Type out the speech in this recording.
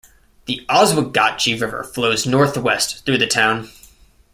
The Oswegatchie River flows northwest through the town.